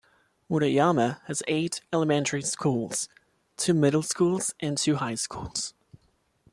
Murayama has eight elementary schools, two middle schools and two high schools.